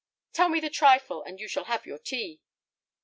"Tell me the trifle, and you shall have your tea."